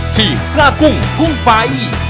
ทีมกล้ากุ้งกุ้งไป